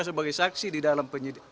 sebagai saksi penyidik yang akan diperiksa